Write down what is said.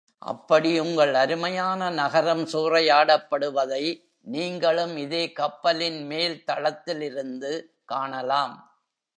அப்படி உங்கள் அருமையான நகரம் சூறையாடப்படுவதை நீங்களும் இதே கப்பலின் மேல் தளத்திலிருந்து காணலாம்.